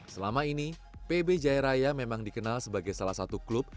selama ini pb jaya raya memang dikenal sebagai salah satu klub